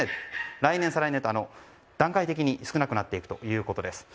来年、再来年と段階的に少なくなっていくということです。